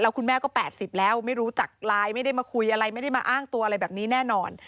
คุณแม่ก็๘๐แล้วไม่รู้จักไลน์ไม่ได้มาคุยอะไรไม่ได้มาอ้างตัวอะไรแบบนี้แน่นอน